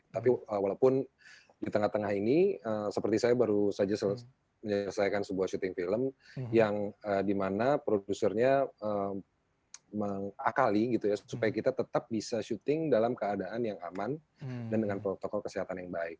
tapi walaupun di tengah tengah ini seperti saya baru saja selesai menyelesaikan sebuah syuting film yang dimana produsernya mengakali gitu ya supaya kita tetap bisa syuting dalam keadaan yang aman dan dengan protokol kesehatan yang baik